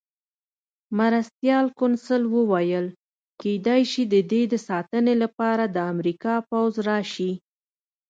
مرستیال کونسل وویل: کېدای شي د ده د ساتنې لپاره د امریکا پوځ راشي.